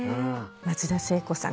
松田聖子さん